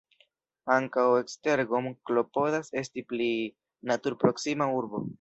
Ankaŭ Esztergom klopodas esti pli natur-proksima urbo.